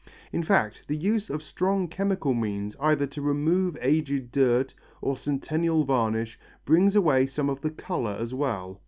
In fact, the use of strong chemical means either to remove aged dirt or centennial varnish brings away some of the colour as well.